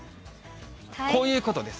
こういうことです。